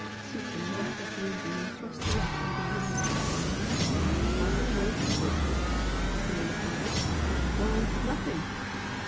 Seaton left off reading and thrust the letter again in his pocket. "What will the world be worth?" he soliloquised "Why, nothing!"